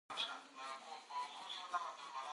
بدخشان د افغانستان د امنیت په اړه هم اغېز لري.